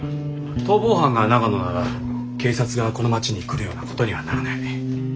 逃亡犯が長野なら警察がこの町に来るようなことにはならない。